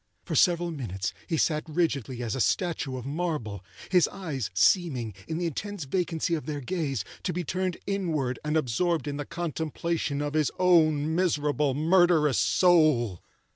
For several minutes he sat rigidly as a statue of marble; his eyes seeming, in the intense vacancy of their gaze, to be turned inward and absorbed in the contemplation of his own miserable, murderous soul.